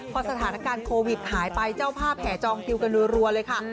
พอสถานการณ์โควิดหายไปเจ้าภาพแห่จองคิวกันรัวเลยค่ะ